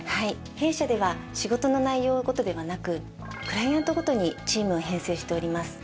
弊社では仕事の内容ごとではなくクライアントごとにチームを編成しております。